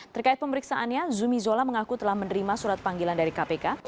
terkait pemeriksaannya zumi zola mengaku telah menerima surat panggilan dari kpk